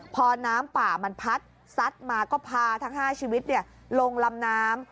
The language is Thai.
พอน้ำป่ามันพัดซัดมาก็พาทั้ง๕ชีวิตลงลำน้ำ